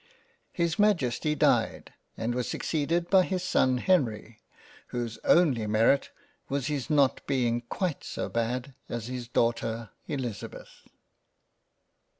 His Majesty died and was suc ceeded by his son Henry whose only merit was his not being quite so bad as his daughter Elizabeth.